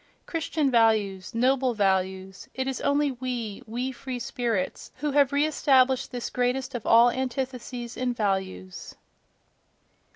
—Christian values—noble values: it is only we, we free spirits, who have re established this greatest of all antitheses in values!...